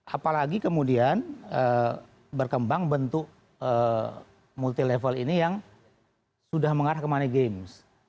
apalagi kemudian berkembang bentuk multi level ini yang sudah mengarah ke money games